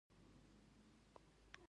آیا بهرنیان پانګونه کوي؟